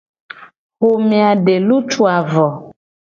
Xome a de lutuu a vo.